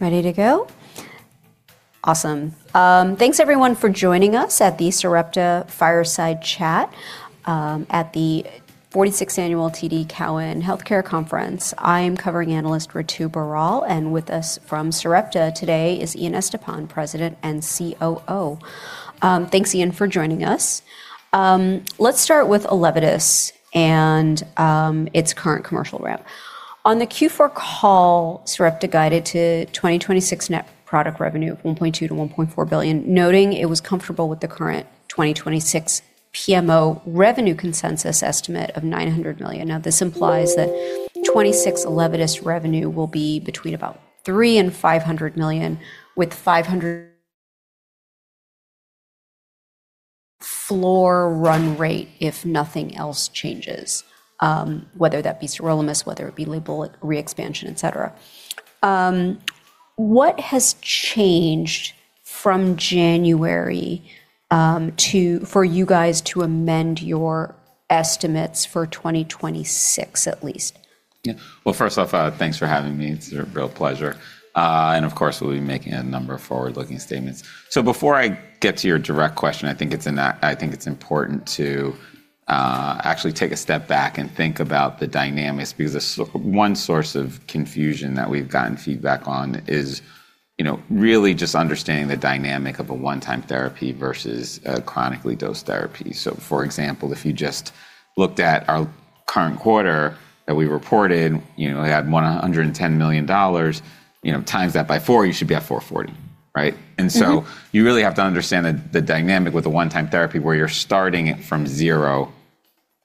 Ready to go? Awesome. Thanks everyone for joining us at the Sarepta Fireside Chat at the 46th annual TD Cowen Healthcare Conference. I am covering analyst Ritu Baral, with us from Sarepta today is Ian Estepan, President and COO. Thanks Ian for joining us. Let's start with ELEVIDYS and its current commercial rep. On the Q4 call, Sarepta guided to 2026 net product revenue of $1.2 billion-$1.4 billion, noting it was comfortable with the current 2026 PMO revenue consensus estimate of $900 million. This implies that 2026 ELEVIDYS revenue will be between about $300 million and $500 million, with $500 floor run rate if nothing else changes, whether that be sirolimus, whether it be label re-expansion, et cetera. What has changed from January, to, for you guys to amend your estimates for 2026 at least? Yeah. Well, first off, thanks for having me. It's a real pleasure. Of course, we'll be making a number of forward-looking statements. Before I get to your direct question, I think it's important to actually take a step back and think about the dynamics, because one source of confusion that we've gotten feedback on is, you know, really just understanding the dynamic of a one-time therapy versus a chronically dosed therapy. For example, if you just looked at our current quarter that we reported, you know, it had $110 million. You know, times that by four, you should be at 440, right? Mm-hmm. You really have to understand the dynamic with a one-time therapy where you're starting it from zero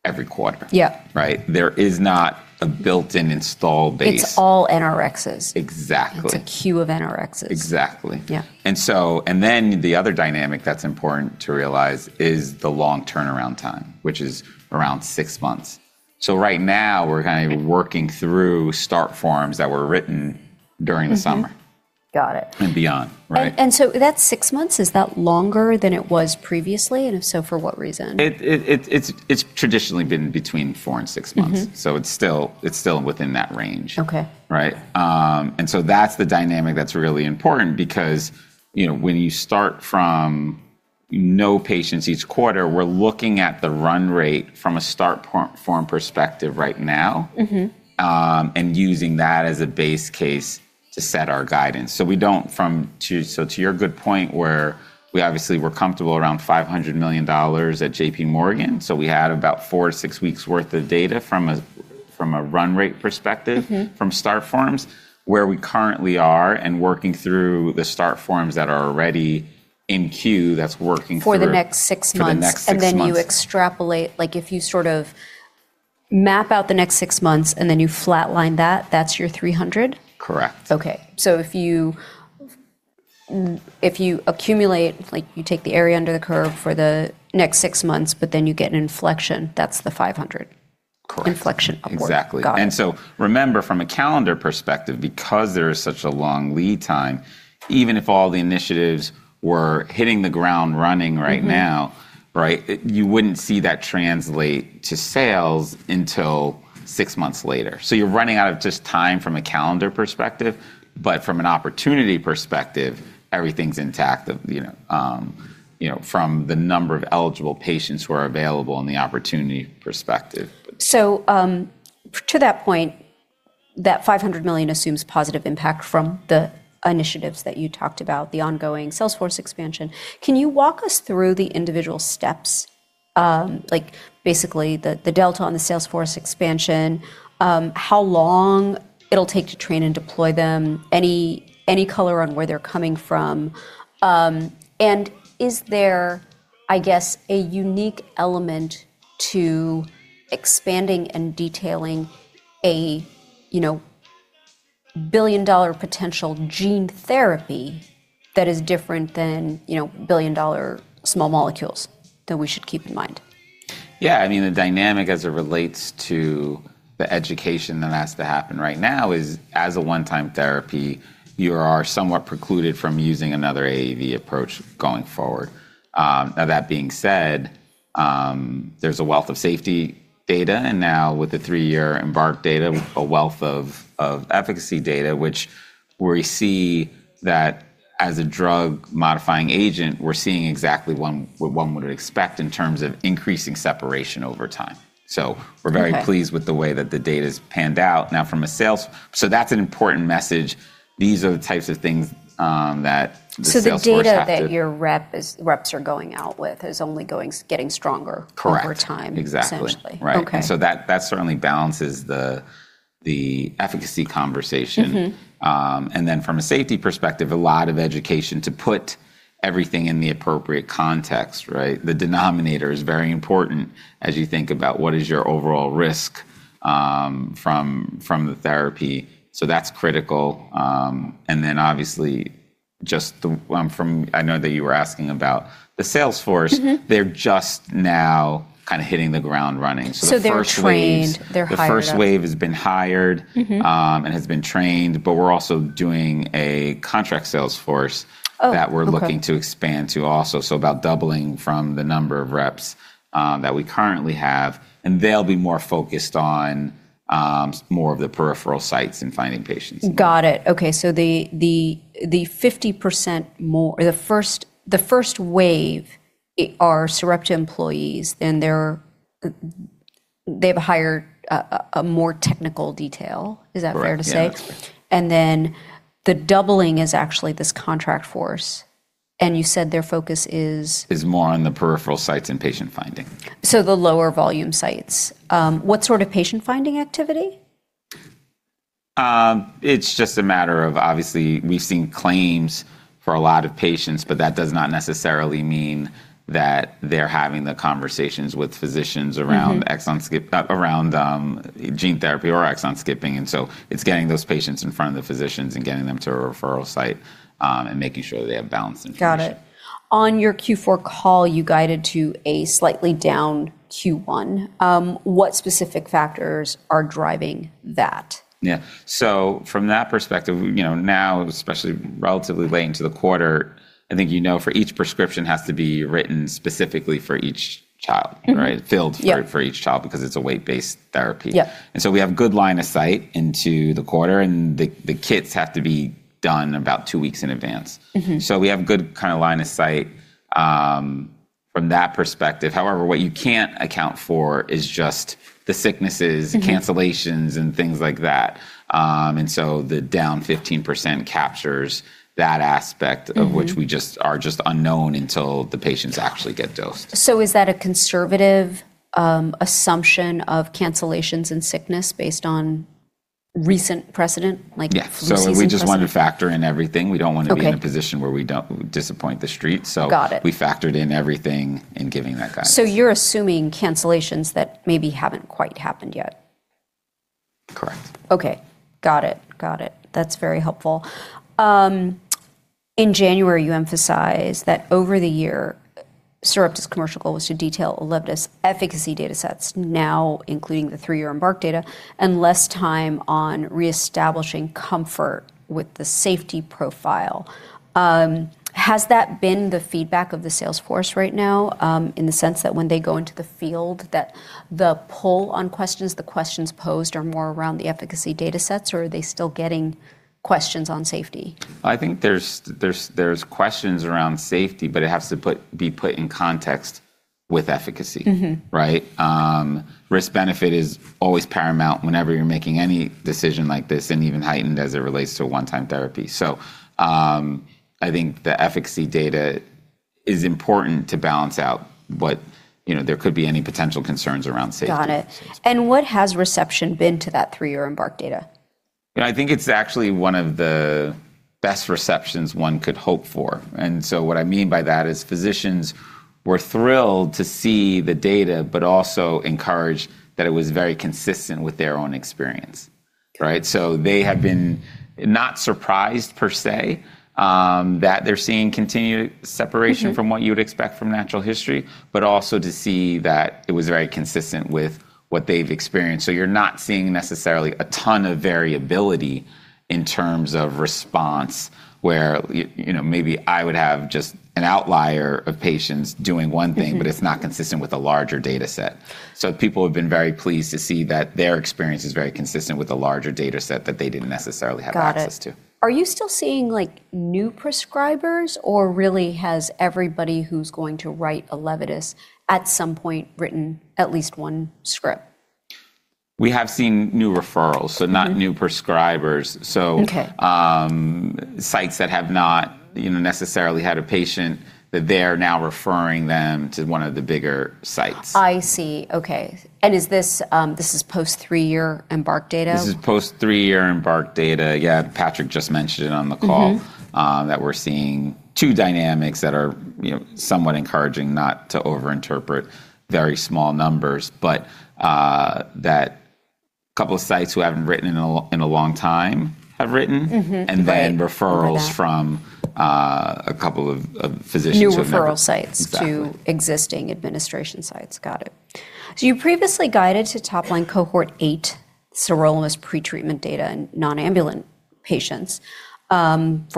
every quarter. Yeah. Right? There is not a built-in install base. It's all nuclease-resistant. Exactly. It's a queue of nuclease-resistant. Exactly. Yeah. The other dynamic that's important to realize is the long turnaround time, which is around six months. Right now, we're kind of working through start forms that were written during the summer. Got it. and beyond, right? That six months, is that longer than it was previously? If so, for what reason? It's traditionally been between four and six months. Mm-hmm. It's still within that range. Okay. Right? That's the dynamic that's really important because, you know, when you start from no patients each quarter, we're looking at the run rate from a start form perspective right now. Mm-hmm. Using that as a base case to set our guidance. We don't, so to your good point, where we obviously were comfortable around $500 million at JP Morgan, so we had about four to six weeks worth of data from a run rate perspective. Mm-hmm. From start forms, where we currently are and working through the start forms that are already in queue, that's working through. For the next six months. For the next six months. You extrapolate, like if you sort of map out the next six months, and then you flatline that's your 300? Correct. Okay. If you accumulate, like you take the area under the curve for the next 6 months, you get an inflection, that's the 500-. Correct. Inflection upward. Exactly. Got it. Remember, from a calendar perspective, because there is such a long lead time, even if all the initiatives were hitting the ground running right now. Mm-hmm. Right? You wouldn't see that translate to sales until six months later. You're running out of just time from a calendar perspective, but from an opportunity perspective, everything's intact of, you know, you know, from the number of eligible patients who are available and the opportunity perspective. To that point, that $500 million assumes positive impact from the initiatives that you talked about, the ongoing Salesforce expansion? Can you walk us through the individual steps, like basically the delta on the Salesforce expansion, how long it'll take to train and deploy them, any color on where they're coming from? Is there, I guess, a unique element to expanding and detailing a, you know, $1 billion potential gene therapy that is different than, you know, $1 billion small molecules that we should keep in mind? Yeah, I mean, the dynamic as it relates to the education that has to happen right now is, as a one-time therapy, you are somewhat precluded from using another AAV approach going forward. Now that being said, there's a wealth of safety data, and now with the three-year EMBARK data, a wealth of efficacy data, which where we see that as a drug modifying agent, we're seeing exactly what one would expect in terms of increasing separation over time. We're very-. Okay. Pleased with the way that the data's panned out. That's an important message. These are the types of things, that the sales force have to-. The data that your reps are going out with is only getting stronger. Correct. Over time, essentially. Exactly. Right. Okay. That certainly balances the efficacy conversation. Mm-hmm. From a safety perspective, a lot of education to put everything in the appropriate context, right? The denominator is very important as you think about what is your overall risk, from the therapy. That's critical. Obviously, just the, I know that you were asking about the sales force. Mm-hmm. They're just now kind of hitting the ground running. The first wave. They're trained, they're hired up. The first wave has been hired. Mm-hmm. Has been trained, but we're also doing a contract sales force. Oh, okay. That we're looking to expand to also, so about doubling from the number of reps, that we currently have, and they'll be more focused on, more of the peripheral sites and finding patients. Got it. Okay. The 50% more, or the first wave are Sarepta employees, then they've hired a more technical detail. Is that fair to say? Correct. Yeah, that's fair. The doubling is actually this contract force, and you said their focus is... Is more on the peripheral sites and patient finding. The lower volume sites. What sort of patient finding activity? It's just a matter of obviously we've seen claims for a lot of patients, but that does not necessarily mean that they're having the conversations with physicians. Mm-hmm. Around exon skip, around gene therapy or exon skipping. It's getting those patients in front of the physicians and getting them to a referral site, and making sure they have balanced information. Got it. On your Q4 call, you guided to a slightly down Q1. What specific factors are driving that? Yeah. From that perspective, you know, now especially relatively late into the quarter, I think you know for each prescription has to be written specifically for each child, right? Mm-hmm. Yep. Filled for each child because it's a weight-based therapy. Yep. We have good line of sight into the quarter, and the kits have to be done about two weeks in advance. Mm-hmm. We have good kind of line of sight, from that perspective. However, what you can't account for is just the sicknesses-. Mm-hmm. Cancellations and things like that. The down 15% captures that aspect. Mm-hmm. Of which we just, are just unknown until the patients actually get dosed. Is that a conservative assumption of cancellations and sickness based on recent precedent? Yeah. flu season precedent? We just wanted to factor in everything. We don't want to be. Okay. in a position where we disappoint the Street. Got it. we factored in everything in giving that guidance. You're assuming cancellations that maybe haven't quite happened yet? Correct. Okay. Got it. That's very helpful. In January, you emphasized that over the year, Sarepta's commercial goal was to detail ELEVIDYS efficacy data sets now including the three-year EMBARK data and less time on reestablishing comfort with the safety profile. Has that been the feedback of the sales force right now, in the sense that when they go into the field that the pull on questions, the questions posed are more around the efficacy data sets, or are they still getting questions on safety? I think there's questions around safety, but it has to be put in context with efficacy. Mm-hmm. Right? Risk benefit is always paramount whenever you're making any decision like this and even heightened as it relates to a one-time therapy. I think the efficacy data is important to balance out what, you know, there could be any potential concerns around safety. Got it. What has reception been to that three year EMBARK data? I think it's actually one of the best receptions one could hope for. What I mean by that is physicians were thrilled to see the data but also encouraged that it was very consistent with their own experience, right? They have been not surprised per se, that they're seeing continued separation... Mm-hmm. From what you would expect from natural history, but also to see that it was very consistent with what they've experienced. You're not seeing necessarily a ton of variability in terms of response where you know, maybe I would have just an outlier of patients doing one thing. Mm-hmm. It's not consistent with the larger data set. People have been very pleased to see that their experience is very consistent with the larger data set that they didn't necessarily have access to. Got it. Are you still seeing like new prescribers, or really has everybody who's going to write ELEVIDYS at some point written at least one script? We have seen new referrals. Okay.... not new prescribers. Okay.... sites that have not, you know, necessarily had a patient that they're now referring them to one of the bigger sites. I see. Okay. This is post three-year EMBARK data? This is post three year EMBARK data. Yeah. Patrick just mentioned it on the call-. Mm-hmm. That we're seeing two dynamics that are, you know, somewhat encouraging, not to overinterpret very small numbers. That couple of sites who haven't written in a long time have written. Mm-hmm. Good. Love that. Referrals from, a couple of physicians who have. New referral sites. Exactly. To existing administration sites. Got it. You previously guided to top line Cohort 8, sirolimus pretreatment data in nonambulant patients for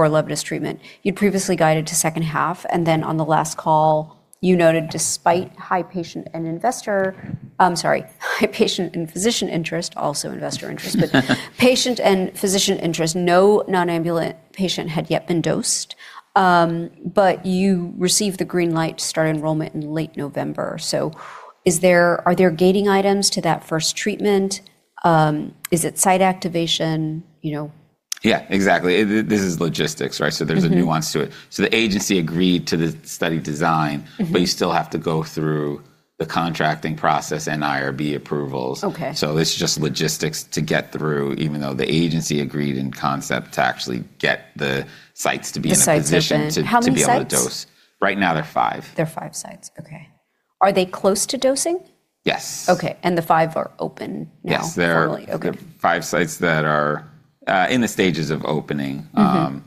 ELEVIDYS treatment. You'd previously guided to second half, and then on the last call you noted despite high patient and investor... I'm sorry, high patient and physician interest, also investor interest. Patient and physician interest, no nonambulant patient had yet been dosed. You received the green light to start enrollment in late November. Are there gating items to that first treatment? Is it site activation? You know. Yeah, exactly. This is logistics, right? Mm-hmm. There's a nuance to it. The agency agreed to the study design- Mm-hmm You still have to go through the contracting process and IRB approvals. Okay. It's just logistics to get through, even though the agency agreed in concept to actually get the sites to be in a position. The sites open. to be able to dose. How many sites? Right now there are five. There are five sites. Okay. Are they close to dosing? Yes. Okay. The five are open now? Yes. Okay. Five sites that are in the stages of opening. Mm-hmm.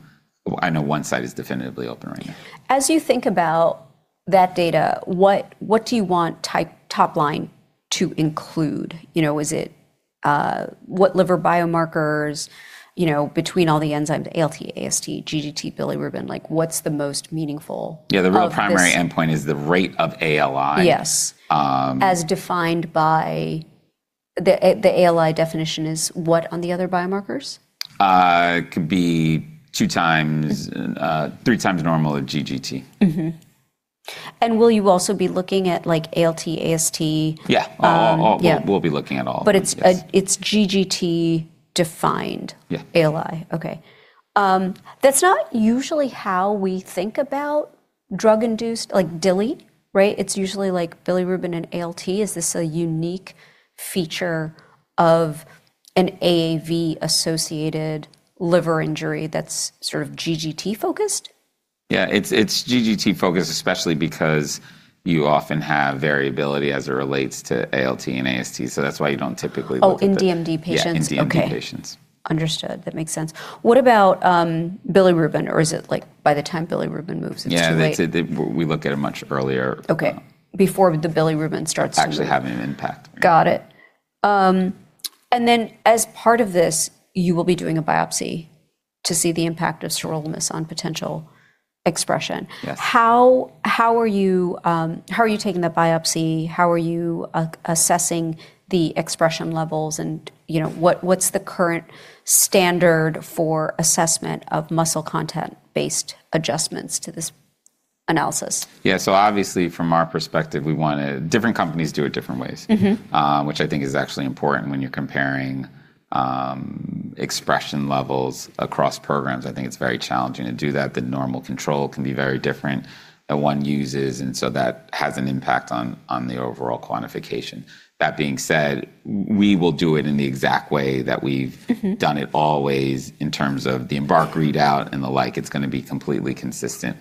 I know one site is definitively open right now. As you think about that data, what do you want top line to include? You know, is it what liver biomarkers, you know, between all the enzymes, ALT, AST, GGT, bilirubin, like what's the most meaningful of this. Yeah. The real primary endpoint is the rate of ALI. Yes. Um-. As defined by? The ALI definition is what on the other biomarkers? It could be two times, three times normal of GGT. Mm-hmm. Will you also be looking at, like, ALT, AST? Yeah. Yeah. All, we'll be looking at all of them, yes. It's GGT defined. Yeah... ALI. Okay. That's not usually how we think about drug-induced, like DILI, right? It's usually like bilirubin and ALT. Is this a unique feature of an AAV-associated liver injury that's sort of GGT focused? Yeah, it's GGT focused especially because you often have variability as it relates to ALT and AST, that's why you don't typically look at. Oh, in DMD patients. Yeah, in DMD patients. Okay. Understood. That makes sense. What about bilirubin? Is it, like, by the time bilirubin moves, it's too late? Yeah, they. We look at it much earlier. Okay. Before the bilirubin starts to move. Actually having an impact. Got it. As part of this, you will be doing a biopsy to see the impact of sarcoglycan on potential expression. Yes. How are you taking the biopsy? How are you assessing the expression levels? You know, what's the current standard for assessment of muscle content-based adjustments to this analysis? Yeah, obviously from our perspective we wanna. Different companies do it different ways. Mm-hmm. Which I think is actually important when you're comparing expression levels across programs. I think it's very challenging to do that. The normal control can be very different than one uses. That has an impact on the overall quantification. That being said, we will do it in the exact way that we've-. Mm-hmm. Done it always in terms of the EMBARK readout and the like. It's gonna be completely consistent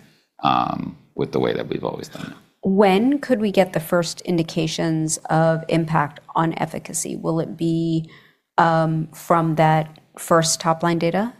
with the way that we've always done it. When could we get the first indications of impact on efficacy? Will it be from that first top-line data?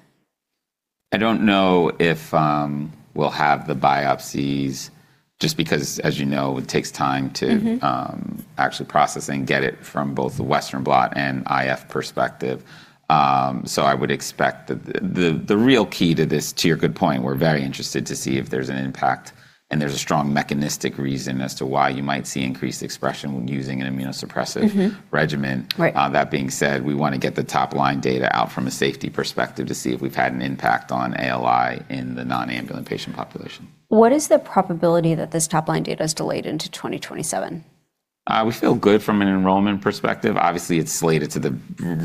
I don't know if we'll have the biopsies just because, as you know, it takes time. Mm-hmm. Actually process and get it from both the Western Blot and IF perspective. I would expect that the real key to this, to your good point, we're very interested to see if there's an impact and there's a strong mechanistic reason as to why you might see increased expression when using an. Mm-hmm. Regimen. Right. That being said, we wanna get the top-line data out from a safety perspective to see if we've had an impact on ALI in the non-ambulant patient population. What is the probability that this top-line data is delayed into 2027? We feel good from an enrollment perspective. Obviously, it's slated to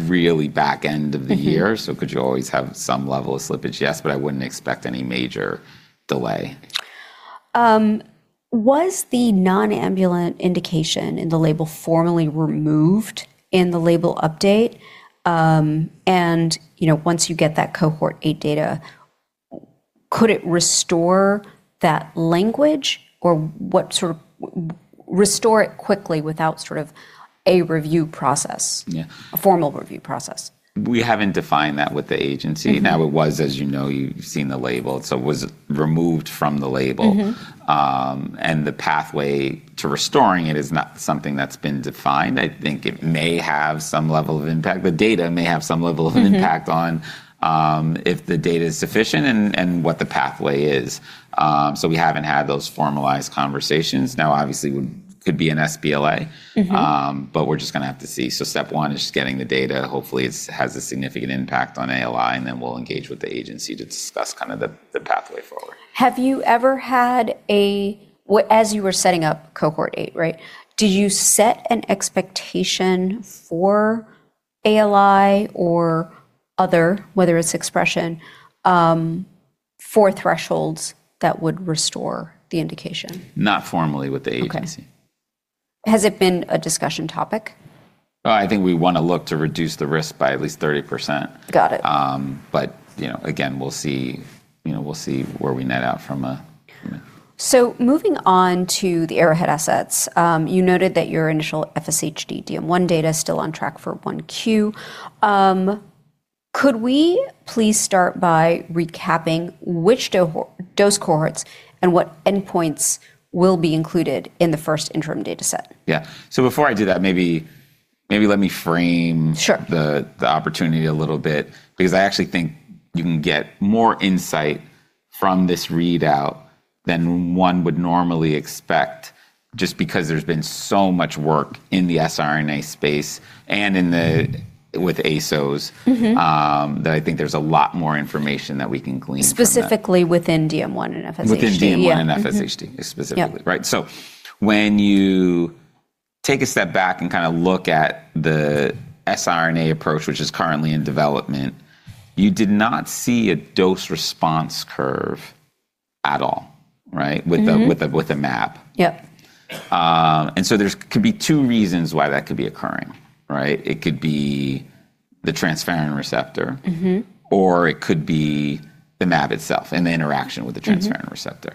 really back end of the year. Mm-hmm. Could you always have some level of slippage? Yes, but I wouldn't expect any major delay. Was the non-ambulant indication in the label formally removed in the label update? You know, once you get that Cohort 8 data, could it restore that language or restore it quickly without sort of a review process. Yeah. A formal review process. We haven't defined that with the agency. Mm-hmm. It was, as you know, you've seen the label, so it was removed from the label. Mm-hmm. The pathway to restoring it is not something that's been defined. I think it may have some level of impact. The data may have some level of impact. Mm-hmm. If the data is sufficient and what the pathway is. We haven't had those formalized conversations. Now obviously could be an sBLA. Mm-hmm. We're just gonna have to see. Step one is just getting the data. Hopefully it's, has a significant impact on ALI, and then we'll engage with the agency to discuss kind of the pathway forward. As you were setting up Cohort 8, right, did you set an expectation for ALI or other, whether it's expression, for thresholds that would restore the indication? Not formally with the agency. Okay. Has it been a discussion topic? I think we wanna look to reduce the risk by at least 30%. Got it. You know, again, we'll see, you know, we'll see where we net out. Moving on to the Arrowhead assets, you noted that your initial FSHD DM1 data is still on track for 1Q. Could we please start by recapping which dose cohorts and what endpoints will be included in the first interim data set? Yeah. before I do that, maybe let me. Sure. The opportunity a little bit because I actually think you can get more insight from this readout than one would normally expect just because there's been so much work in the siRNA space and with ASOs. Mm-hmm. That I think there's a lot more information that we can glean from that. Specifically within DM1 and FSHD. Within DM1. Yeah. Mm-hmm. and FSHD specifically. Yep. Right. When you take a step back and kinda look at the siRNA approach, which is currently in development, you did not see a dose response curve at all, right? Mm-hmm. With the mAb. Yep. There's could be two reasons why that could be occurring, right? It could be the transferrin receptor. Mm-hmm. It could be the mAb itself and the interaction with the transferrin receptor.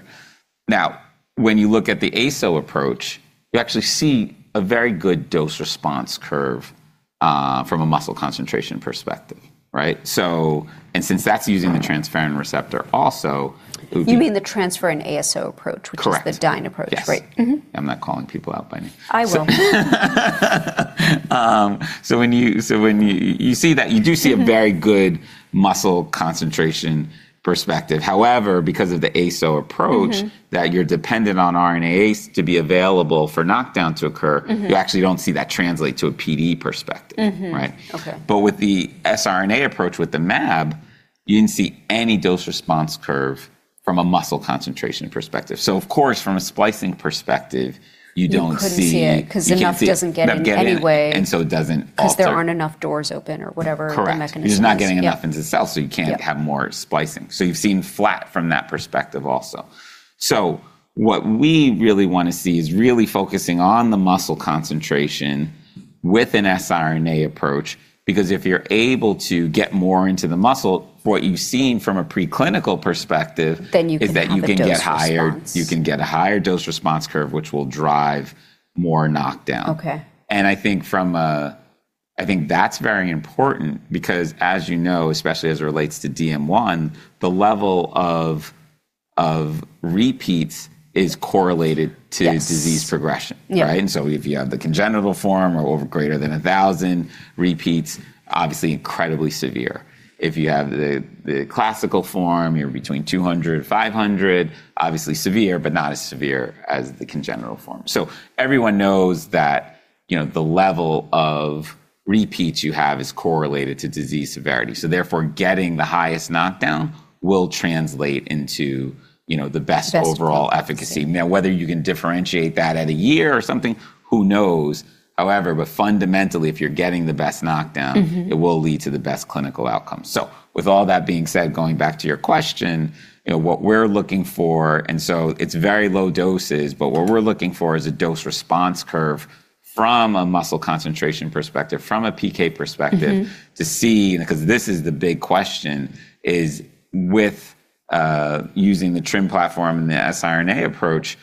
Mm-hmm. When you look at the ASO approach, you actually see a very good dose response curve, from a muscle concentration perspective, right? Since that's using the transferrin receptor also. You mean the transfer and ASO approach-. Correct. which is the Dyne approach, right? Yes. Mm-hmm. I'm not calling people out by name. I will. when you see that you do. Mm-hmm. A very good muscle concentration perspective. However, because of the ASO approach. Mm-hmm. That you're dependent on RNase to be available for knockdown to occur. Mm-hmm. You actually don't see that translate to a PD perspective. Mm-hmm. Right? Okay. With the siRNA approach with the mAb, you didn't see any dose response curve from a muscle concentration perspective. of course, from a splicing perspective, you don't see. You couldn't see it-. You couldn't see it. 'cause enough doesn't get in anyway. Enough get in. It doesn't alter. Cause there aren't enough doors open or whatever... Correct. The mechanism is. Yep. You're just not getting enough into the cell. Yep.... You can't have more splicing. You've seen flat from that perspective also. What we really wanna see is really focusing on the muscle concentration with an siRNA approach, because if you're able to get more into the muscle, what you've seen from a preclinical perspective. You can have a dose response. is that you can get higher, you can get a higher dose response curve, which will drive more knockdown. Okay. I think that's very important because as you know, especially as it relates to DM1, the level of repeats is correlated to. Yes. Disease progression. Yeah. Right? If you have the congenital form or over greater than 1,000 repeats, obviously incredibly severe. If you have the classical form, you're between 200 to 500, obviously severe, but not as severe as the congenital form. Everyone knows that, you know, the level of repeats you have is correlated to disease severity, so therefore getting the highest knockdown will translate into, you know, the best... Best. Overall efficacy. Whether you can differentiate that at a year or something, who knows? Fundamentally, if you're getting the best knockdown-. Mm-hmm. It will lead to the best clinical outcome. With all that being said, going back to your question, you know, what we're looking for, it's very low doses, what we're looking for is a dose response curve from a muscle concentration perspective, from a PK perspective. Mm-hmm. To see, because this is the big question, is with using the TRiM platform and the siRNA approach,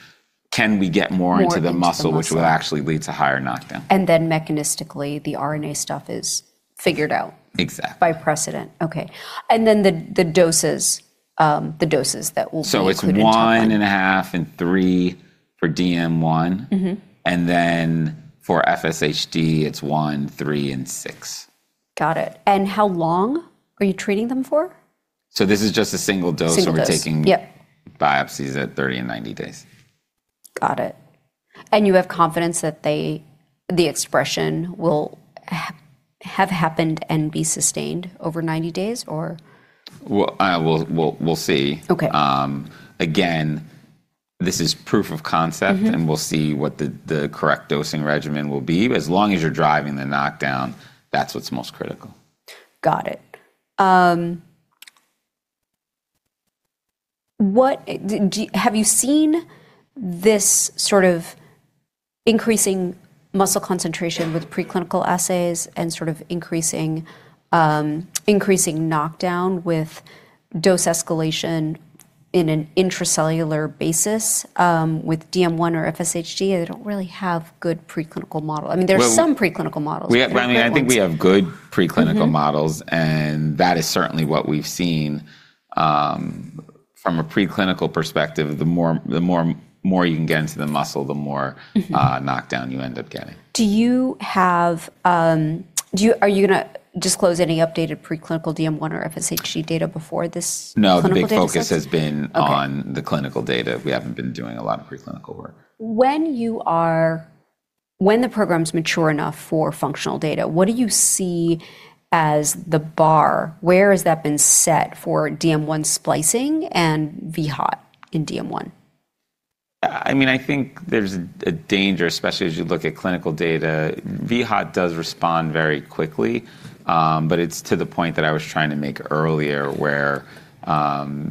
can we get more into. More into the muscle.... the muscle, which will actually lead to higher knockdown. Mechanistically, the RNA stuff is figured out. Exactly.... by precedent. Okay. Then the doses that will be included in the trial. It's one and a half and three for DM1. Mm-hmm. For FSHD, it's onw, three, and six. Got it. How long are you treating them for? This is just a single dose. Single dose. So we're taking-. Yep.... biopsies at 30 and 90 days. Got it. You have confidence that they, the expression will have happened and be sustained over 90 days or? Well, we'll see. Okay. Again, this is proof of concept. Mm-hmm.... and we'll see what the correct dosing regimen will be, but as long as you're driving the knockdown, that's what's most critical. Got it. What, have you seen this sort of increasing muscle concentration with preclinical assays and sort of increasing knockdown with dose escalation in an intracellular basis, with DM1 or FSHD? They don't really have good preclinical model. I mean, there are some preclinical models. We. not great ones.... Brandy, I think we have good preclinical models-. Mm-hmm. and that is certainly what we've seen, from a preclinical perspective. The more you can get into the muscle, the more... Mm-hmm.... knockdown you end up getting. Do you have, Are you gonna disclose any updated preclinical DM1 or FSHD data before this clinical data set? No, the big focus has been. Okay.... the clinical data. We haven't been doing a lot of preclinical work. When the program's mature enough for functional data, what do you see as the bar? Where has that been set for DM1 splicing and VHOT in DM1? I mean, I think there's a danger, especially as you look at clinical data. VHOT does respond very quickly, but it's to the point that I was trying to make earlier where,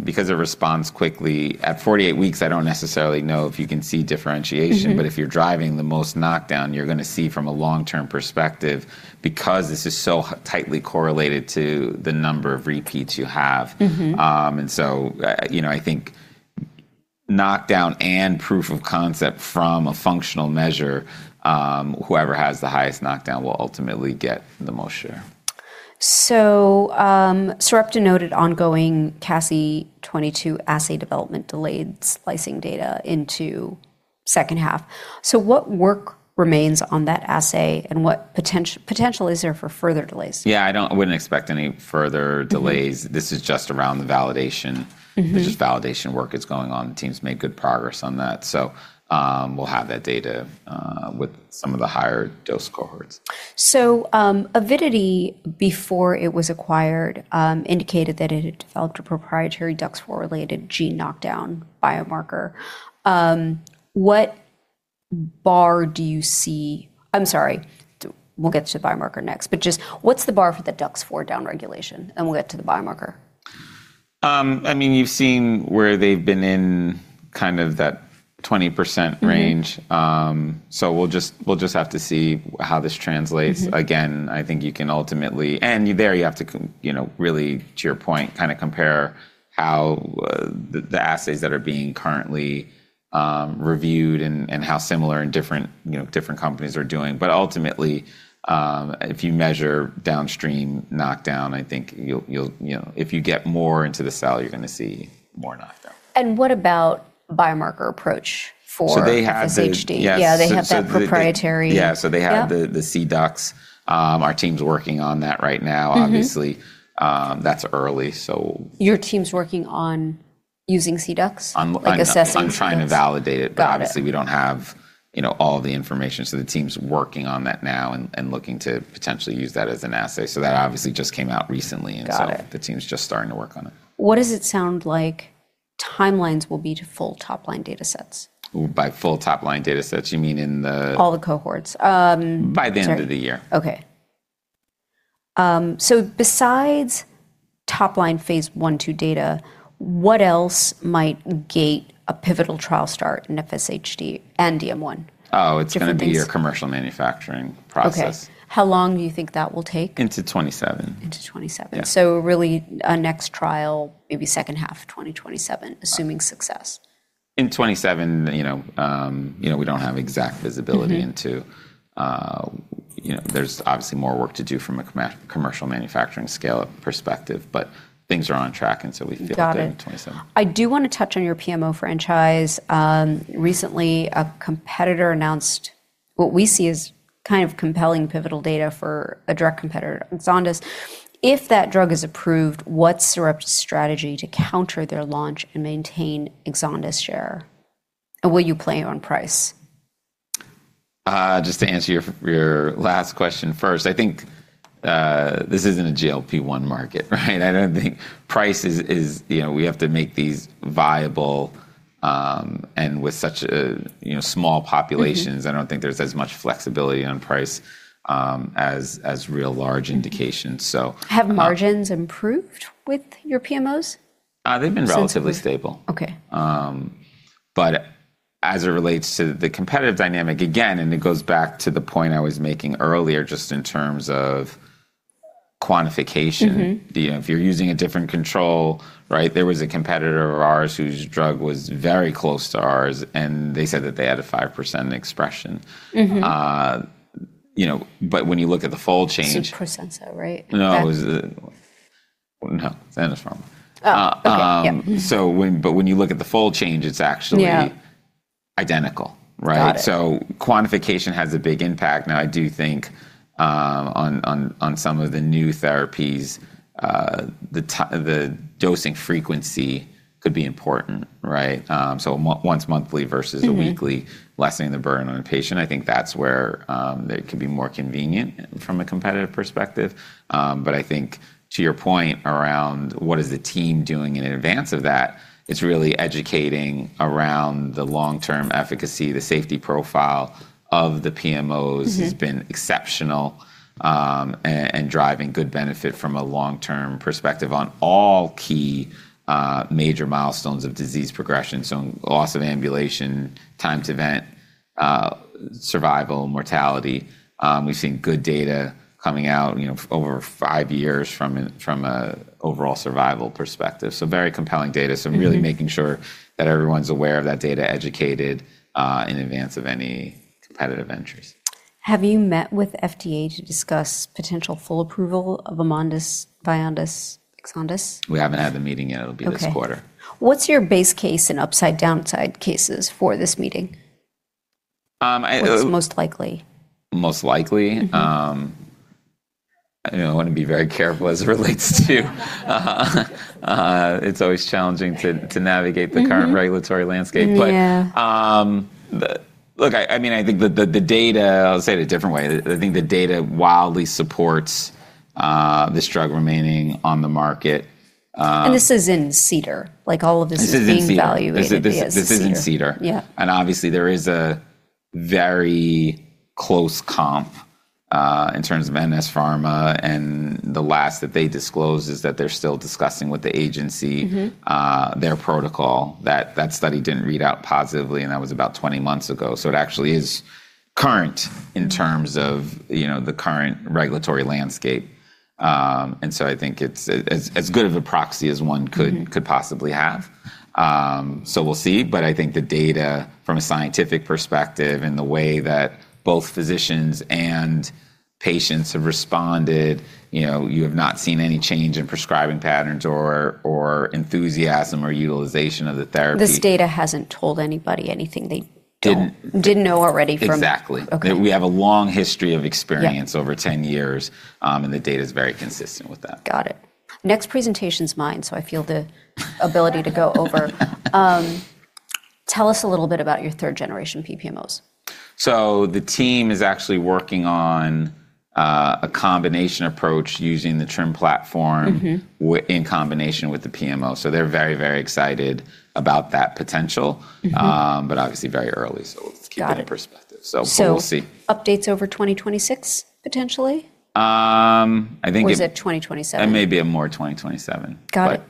because it responds quickly, at 48-weeks, I don't necessarily know if you can see differentiation. Mm-hmm. If you're driving the most knockdown, you're gonna see from a long-term perspective, because this is so tightly correlated to the number of repeats you have. Mm-hmm. You know, I think knockdown and proof of concept from a functional measure, whoever has the highest knockdown will ultimately get the most share. Sarepta noted ongoing CASI 22 assay development delayed splicing data into second half. What work remains on that assay, and what potential is there for further delays? Yeah, wouldn't expect any further delays. Mm-hmm. This is just around the validation. Mm-hmm. This is validation work that's going on. The team's made good progress on that, so, we'll have that data, with some of the higher dose cohorts. Avidity, before it was acquired, indicated that it had developed a proprietary DUX4-related gene knockdown biomarker. What bar do you see... I'm sorry. We'll get to the biomarker next, just what's the bar for the DUX4 downregulation? We'll get to the biomarker. I mean, you've seen where they've been in kind of that 20% range. Mm-hmm. We'll just have to see how this translates. Mm-hmm. I think you can ultimately. There you have to you know, really, to your point, kind of compare how the assays that are being currently reviewed and how similar and different, you know, different companies are doing. Ultimately, if you measure downstream knockdown, I think you'll, you know, if you get more into the cell, you're going to see more knockdown. What about biomarker approach? They have. FSHD? Yes. Yeah, they have that proprietary-. Yeah, they have... Yeah. the ARO-DUX4. Our team's working on that right now. Mm-hmm. Obviously, that's early. Your team's working on using ARO-DUX4? On, on-. Like assessing ARO-DUX4.... trying to validate it. Got it. Obviously we don't have, you know, all the information. The team's working on that now and looking to potentially use that as an assay. That obviously just came out recently. Got it.... the team's just starting to work on it. What does it sound like timelines will be to full top-line data sets? By full top-line data sets, you mean? All the cohorts. By the end-. Sorry.... of the year. Okay. Besides top line phase I, II data, what else might gate a pivotal trial start in FSHD and DM1? Oh, it's gonna be-. Different things.... your commercial manufacturing process. Okay. How long do you think that will take? Into 2027. Into 2027. Yeah. Really a next trial, maybe second half of 2027 assuming success. In 2027, you know, you know, we don't have exact visibility. Mm-hmm..... into, you know, there's obviously more work to do from a commercial manufacturing scale perspective, but things are on track, and so we feel. Got it.... good in 2027. I do wanna touch on your PMO franchise. Recently a competitor announced what we see as kind of compelling pivotal data for a direct competitor, EXONDYS. If that drug is approved, what's Sarepta's strategy to counter their launch and maintain EXONDYS share, and will you play on price? Just to answer your last question first, I think, this isn't a GLP-1 market, right? I don't think price is... You know, we have to make these viable, and with such a you know, small populations... Mm-hmm. I don't think there's as much flexibility on price, as real large indications. Have margins improved with your PMOs? they've been-. Since. relatively stable. Okay. As it relates to the competitive dynamic, again, and it goes back to the point I was making earlier, just in terms of quantification. Mm-hmm.... the, if you're using a different control, right? There was a competitor of ours whose drug was very close to ours, and they said that they had a 5% expression. Mm-hmm. You know, when you look at the fold change. It's Prosensa, right? No, Enzastaurin. Oh, okay. Yep. When you look at the fold change, it's actually. Yeah. identical, right? Got it. Quantification has a big impact. Now, I do think, on some of the new therapies, the dosing frequency could be important, right? once monthly versus- Mm-hmm. A weekly, lessening the burden on a patient. I think that's where they could be more convenient from a competitive perspective. I think to your point around what is the team doing in advance of that, it's really educating around the long-term efficacy. The safety profile of the PMOs- Mm-hmm.... has been exceptional, and driving good benefit from a long-term perspective on all key major milestones of disease progression. Loss of ambulation, time to event, survival, mortality, we've seen good data coming out, you know, over 5 years from a, from a overall survival perspective, so very compelling data. Mm-hmm. Really making sure that everyone's aware of that data, educated, in advance of any competitive entries. Have you met with FDA to discuss potential full approval of AMONDYS, VYONDYS, EXONDYS? We haven't had the meeting yet. Okay. It'll be this quarter. What's your base case and upside downside cases for this meeting? I. What's most likely? Most likely? Mm-hmm. It's always challenging to navigate. Mm-hmm. regulatory landscape. Yeah. Look, I mean, I think the data, I'll say it a different way. I think the data wildly supports this drug remaining on the market. This is in CDER. Like, all of this. This is in CDER. is being evaluated as CDER. This is in CDER. Yeah. Obviously, there is a very close comp, in terms of Enzastaurin, and the last that they disclosed is that they're still discussing with the agency. Mm-hmm.... their protocol. That study didn't read out positively, and that was about 20 months ago. It actually is current in terms of, you know, the current regulatory landscape. I think it's as good of a proxy as one could. Mm-hmm. Could possibly have. We'll see. I think the data from a scientific perspective and the way that both physicians and patients have responded, you know, you have not seen any change in prescribing patterns or enthusiasm or utilization of the therapy. This data hasn't told anybody anything. Didn't.... didn't know already. Exactly. Okay. We have a long history of experience. Yeah.... over 10-years, and the data's very consistent with that. Got it. Next presentation's mine. I feel the ability to go over. Tell us a little bit about your 3rd generation PPMOs. The team is actually working on a combination approach using the TRiM platform. Mm-hmm. in combination with the PMO. They're very excited about that potential. Mm-hmm. obviously very early, so. Got it.... keep it in perspective. We'll see. Updates over 2026, potentially? I think. Or is it 2027? It may be more 2027. Got it.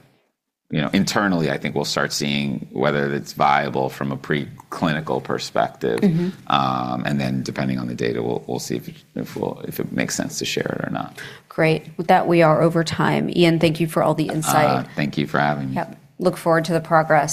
You know, internally, I think we'll start seeing whether it's viable from a preclinical perspective. Mm-hmm. Depending on the data, we'll see if it makes sense to share it or not. Great. With that, we are over time. Ian, thank you for all the insight. Thank you for having me. Yep. Look forward to the progress.